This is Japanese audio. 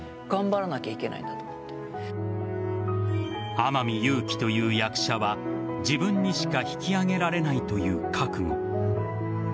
天海祐希という役者は自分にしか引き上げられないという覚悟。